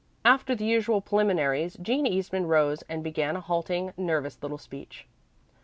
After the usual preliminaries Jean Eastman rose and began a halting, nervous little speech.